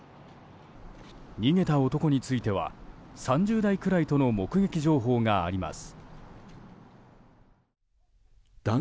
逃げた男については３０代くらいとの目撃情報があります。